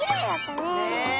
ねえ。